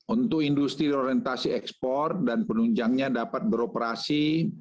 untuk industri orientasi ekspor dan penunjangnya dapat beroperasi